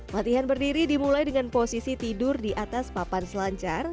latihan berdiri dimulai dengan posisi tidur di atas papan selancar